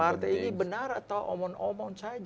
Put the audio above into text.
partai partai ini benar atau omon omon saja